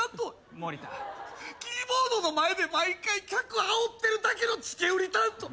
キーボードの前で毎回客あおってるだけのチケ売り担当。